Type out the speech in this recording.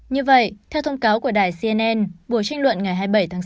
như vậy theo thông cáo của đại cnn buổi tranh luận ngày hai mươi bảy tháng sáu